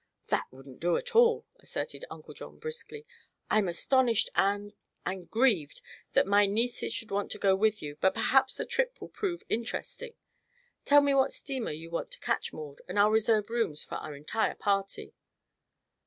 "That wouldn't do at all," asserted Uncle John briskly. "I'm astonished and and grieved that my nieces should want to go with you, but perhaps the trip will prove interesting. Tell me what steamer you want to catch, Maud, and I'll reserve rooms for our entire party."